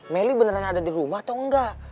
melly beneran ada di rumah atau enggak